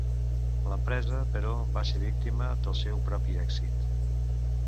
L'empresa, però, va ser víctima del seu propi èxit.